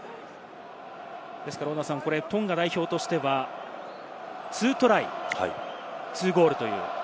トンガ代表としては２トライ、２ゴール。